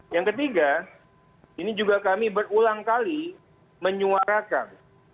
yang ketiga ini juga kami berulang kali menyuarakan